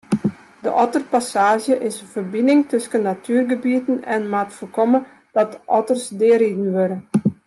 De otterpassaazje is in ferbining tusken natuergebieten en moat foarkomme dat otters deariden wurde.